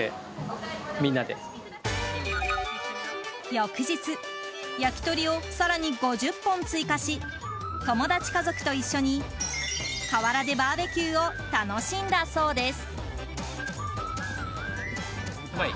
翌日、焼き鳥を更に５０本追加し友達家族と一緒に、河原でバーベキューを楽しんだそうです。